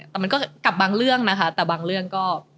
สำหรับบางเรื่องนะคะแต่บางเรื่องก็